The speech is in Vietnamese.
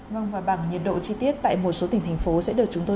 vâng và bằng nhiệt độ chi tiết tại một số tỉnh thành phố sẽ được chúng tôi